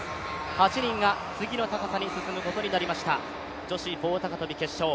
８人が次の高さに進むことになりました、女子棒高跳決勝。